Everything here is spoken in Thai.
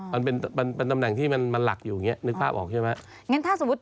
มันเป็นตำแหน่งที่มันหลักอยู่อย่างนี้นึกภาพออกใช่ไหม